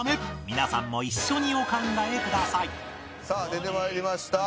皆さんも一緒にお考えくださいさあ出てまいりました。